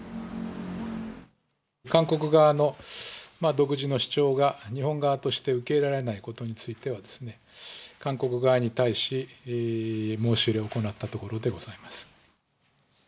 韓国側の独自の主張が日本側として受け入れられないことについてはですね、韓国側に対し、申し入れを行ったところでございます。